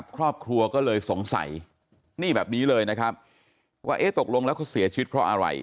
ครอบครัวก็เลยสงสัยนี่แบบนี้เลยนะครับว่าเอ๊ะตกลงแล้วเขาเสียชีวิตเพราะอะไร